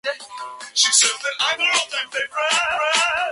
La localidad más próxima es Gargantilla.